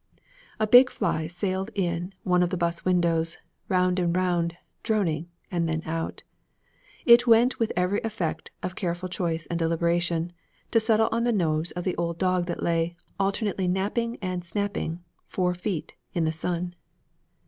A big fly sailed in one of the 'bus windows, round and round, droning, and then out; it went with every effect of careful choice and deliberation, to settle on the nose of the old dog that lay, alternately napping and snapping, four feet in the sun.